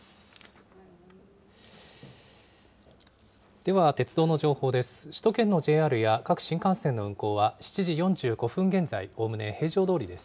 では鉄道の情報です。